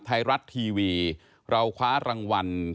ไทยรัฐทีวีเราคว้ารางวัล